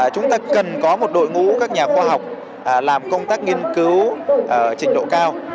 chúng ta cần có một đội ngũ các nhà khoa học làm công tác nghiên cứu trình độ cao